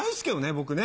僕ね。